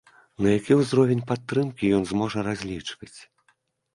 На які ўзровень падтрымкі ён зможа разлічваць?